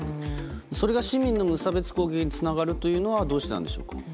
それが市民の無差別攻撃につながるというのはどうしてなんですか？